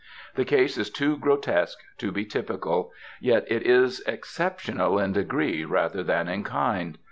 The case is too grotesque to be typical, yet it is exceptional in degree rather than in kind.